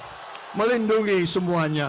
untuk melindungi semuanya